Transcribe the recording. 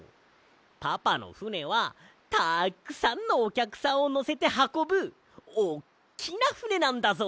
パパのふねはたっくさんのおきゃくさんをのせてはこぶおっきなふねなんだぞ。